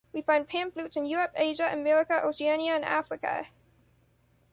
We find Pan flutes in Europe, Asia, America, Oceania and Africa.